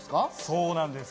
そうなんです。